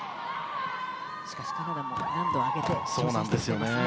しかし、カナダも難度を上げて調整しています。